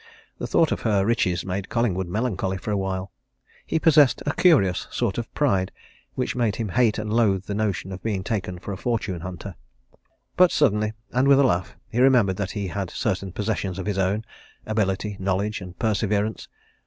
The thought of her riches made Collingwood melancholy for a while he possessed a curious sort of pride which made him hate and loathe the notion of being taken for a fortune hunter. But suddenly, and with a laugh, he remembered that he had certain possessions of his own ability, knowledge, and perseverance.